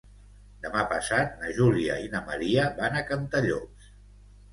Demà passat na Júlia i na Maria van a Cantallops.